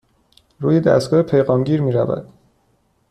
روی دستگاه پیغام گیر می رود.